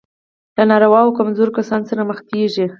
له ناروغو او کمزورو کسانو سره مخ کېږي.